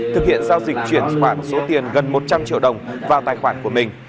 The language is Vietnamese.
thực hiện giao dịch chuyển khoản số tiền gần một trăm linh triệu đồng vào tài khoản của mình